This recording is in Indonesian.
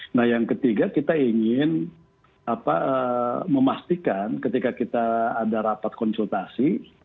nah yang ketiga kita ingin memastikan ketika kita ada rapat konsultasi